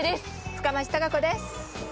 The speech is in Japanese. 深町貴子です。